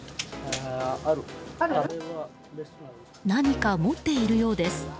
何か持っているようです。